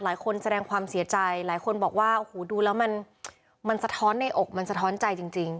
แสดงความเสียใจหลายคนบอกว่าโอ้โหดูแล้วมันสะท้อนในอกมันสะท้อนใจจริง